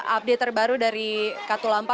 update terbaru dari katulampa